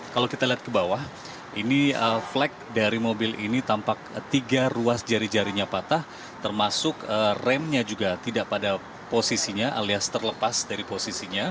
kalau kita lihat ke bawah ini flag dari mobil ini tampak tiga ruas jari jarinya patah termasuk remnya juga tidak pada posisinya alias terlepas dari posisinya